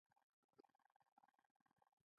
تیمور شاه مو شاته سیټ کې ناست و.